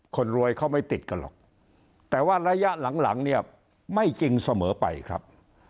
คนรวยเขาไม่ติดกันหรอกแต่ว่าระยะหลังเนี่ยไม่จริงเสมอไปครับ